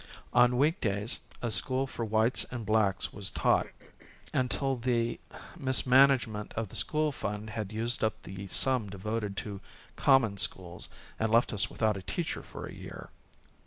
On week days a school for whites and blacks was taught, until the misman agement of the school fund had used up the Hosted by Google A FLOWERY JANUARY. 21 sum devoted to common schools, and left us without a teacher for 'a year.